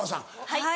はい。